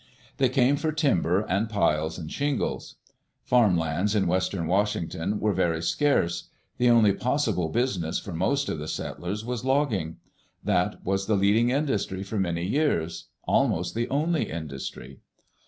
They came for timber and piles and shingles. Farm lands in western Washington were very scarce. The only possible business for most of the settlers was logging. That was the leading industry for many years — almost the only industry.